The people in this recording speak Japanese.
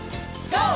ＧＯ！